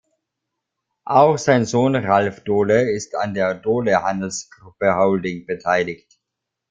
Auch sein Sohn Ralf Dohle ist an der "Dohle Handelsgruppe Holding" beteiligt.